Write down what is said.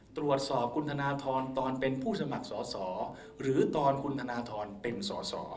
ตรวจสอบคุณธนทรตอนเป็นผู้สมัครสอสอหรือตอนคุณธนทรเป็นสอสอ